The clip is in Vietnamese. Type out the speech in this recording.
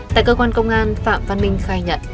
tại cơ quan công an phạm văn minh khai nhận